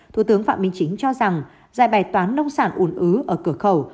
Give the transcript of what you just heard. thủ tướng phạm minh chính cho rằng giải bài toán nông sản ủn ứ ở cửa khẩu